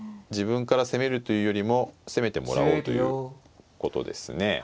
自分から攻めるというよりも攻めてもらおうということですね。